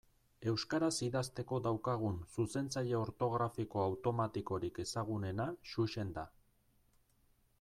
Euskaraz idazteko daukagun zuzentzaile ortografiko automatikorik ezagunena Xuxen da.